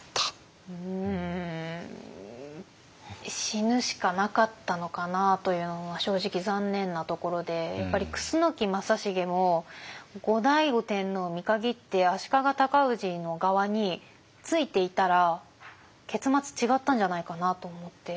死ぬしかなかったのかなというのは正直残念なところでやっぱり楠木正成も後醍醐天皇を見限って足利尊氏の側についていたら結末違ったんじゃないかなと思って。